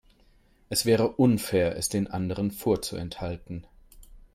Es wäre unfair, es den anderen vorzuenthalten.